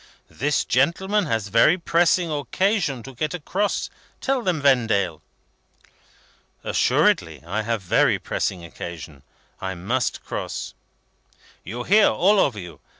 "This gentleman has very pressing occasion to get across; tell them, Vendale." "Assuredly, I have very pressing occasion. I must cross." "You hear, all of you.